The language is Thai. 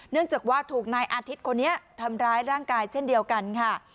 เนื่องจากว่าถูกนายอาทิตย์คนนี้ทำร้ายร่างกายเช่นเดียวกันค่ะ